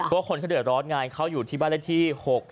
เพราะว่าคนเขาเดินร้อนงานเขาอยู่ที่บ้านได้ที่๖๓๔